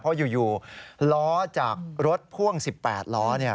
เพราะอยู่ล้อจากรถพ่วง๑๘ล้อ